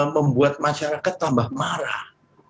membuat masyarakat tambah marah